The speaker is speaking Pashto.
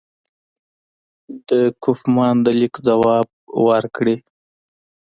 د کوفمان د لیک ځواب ورکړي.